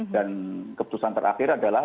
dan keputusan terakhir adalah